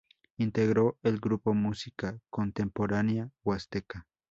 Integró el grupo Música Contemporánea Huasteca.